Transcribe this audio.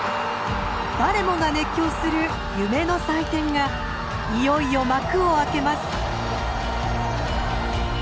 誰もが熱狂する夢の祭典がいよいよ幕を開けます。